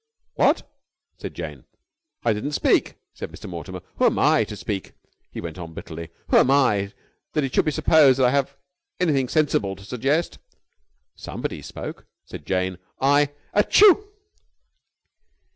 "What?" said Jane. "I didn't speak," said Mr. Mortimer. "Who am I to speak?" he went on bitterly. "Who am I that it should be supposed that I have anything sensible to suggest?" "Somebody spoke," said Jane. "I...." "Achoo!"